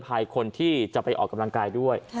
คนที่จะไปออกกำลังกายด้วย